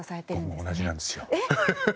僕も同じなんですよ。